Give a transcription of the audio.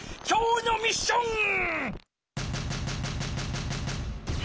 今日のミッション！